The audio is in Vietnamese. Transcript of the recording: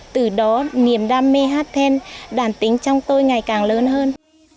từ đó niềm đam mê hát then đàn tính trong tôi ngày càng lớn hơn